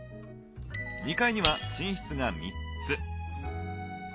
２階には寝室が３つ。